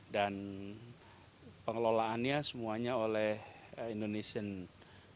dan pengelolaannya semuanya oleh indonesian government